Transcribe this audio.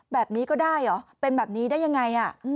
แบบนี้ก็ได้เหรอเป็นแบบนี้ได้ยังไง